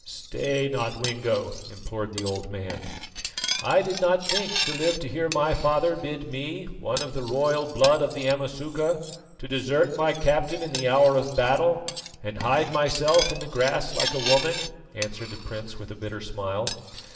"Stay, Nodwengo," implored the old man. "I did not think to live to hear my father bid me, one of the royal blood of the Amasuka, to desert my captain in the hour of battle and hide myself in the grass like a woman," answered the prince with a bitter smile.